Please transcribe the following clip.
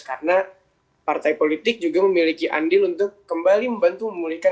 karena partai politik juga memiliki andil untuk kembali membantu memulihkan